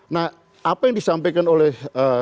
nah apa yang disampaikan oleh